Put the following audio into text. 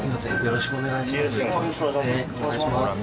よろしくお願いします。